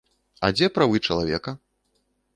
А дзе правы чалавека?